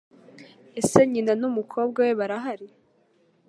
Ese nyina n'umukobwa we barahari?